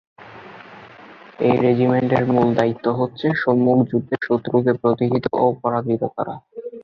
এই রেজিমেন্টের মূল দায়িত্ব হচ্ছে সম্মুখ যুদ্ধে শত্রুকে প্রতিহত ও পরাজিত করা।